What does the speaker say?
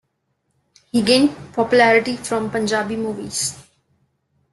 He gained popularity from Punjabi movies.